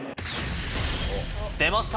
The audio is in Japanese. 出ました！